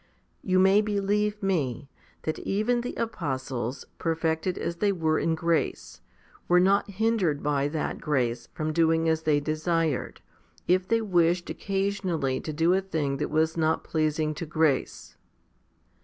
You may believe me, that even the apostles, perfected as they were in grace, were not hindered by that grace from doing as they desired, if they wished occasionally to do a thing that was not pleasing to grace.